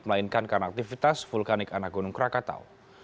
melainkan karena aktivitas vulkanik anak gunung krakatau